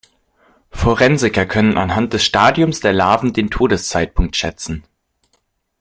Forensiker können anhand des Stadiums der Larven den Todeszeitpunkt schätzen.